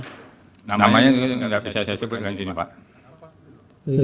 namanya saya sebutkan di sini pak